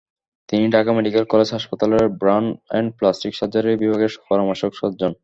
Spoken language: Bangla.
তিনি ঢাকা মেডিকেল কলেজ হাসপাতালের বার্ন অ্যান্ড প্লাস্টিক সার্জারি বিভাগের পরামর্শক সার্জন।